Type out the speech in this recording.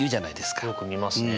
よく見ますね。